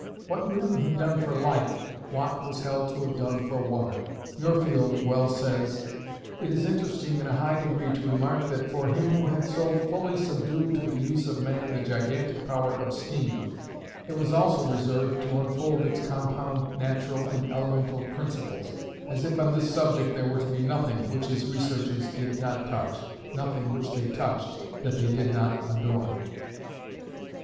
What Newton had done for light Watt was held to have done for water. Muirfield well says: It is interesting in a high degree to remark that for him who had so fully subdued to the use of man the gigantic power of steam it was also reserved to unfold its compound natural and elemental principles, as if on this subject there were to be nothing which his researches did not touch, nothing which they touched that they did not adorn.